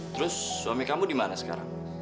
terus suami kamu dimana sekarang